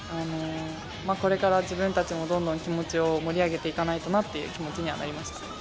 これから自分たちもどんどん気持ちを盛り上げていかないとなという気持ちにはなりました。